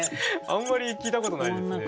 あんまり聞いたことないですね。